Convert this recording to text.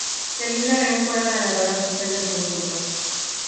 Selina Ren fue la ganadora oficial del concurso.